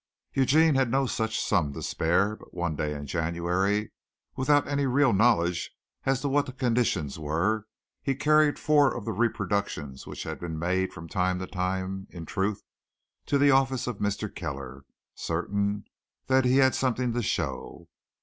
Eugene had no such sum to spare, but one day in January, without any real knowledge as to what the conditions were, he carried four of the reproductions which had been made from time to time in Truth to the office of Mr. Kellner, certain that he had something to show.